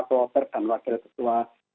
ini ketua kloster dan wakil ketual kloster saya